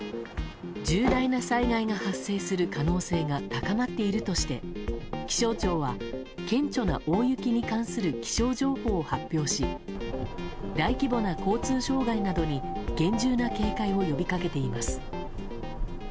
重大な災害が発生する可能性が高まっているとして気象庁は、顕著な大雪に関する気象情報を発表し大規模な交通障害などに厳重な警戒を呼びかけています。